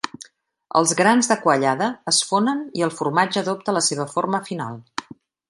Els grans de quallada es fonen i el formatge adopta la seva forma final.